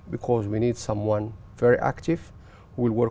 vì chúng ta cần một người rất năng lực